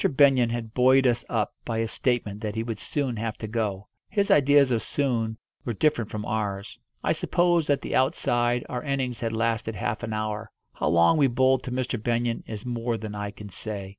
Benyon had buoyed us up by his statement that he would soon have to go. His ideas of soon were different from ours. I suppose, at the outside, our innings had lasted half an hour. How long we bowled to Mr. Benyon is more than I can say.